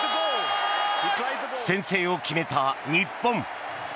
先制を決めた日本。